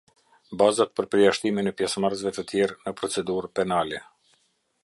Bazat për përjashtimin e pjesëmarrësve të tjerë në procedurë penale.